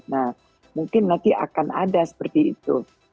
nah mungkin nanti akan ada seperti itu